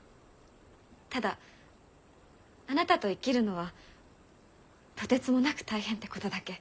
ただあなたと生きるのはとてつもなく大変ってことだけ。